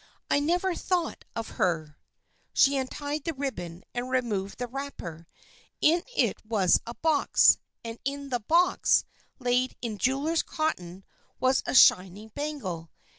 I never thought of her." She untied the ribbon and removed the wrap per. In it was a box, and in the box, laid in jeweler's cotton, was a shining bangle.